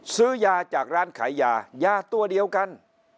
ซื้อยาจากร้านขายยายาตัวเดียวกัน